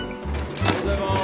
おはようございます。